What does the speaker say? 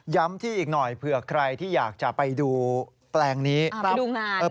ที่อีกหน่อยเผื่อใครที่อยากจะไปดูแปลงนี้ไปดูงาน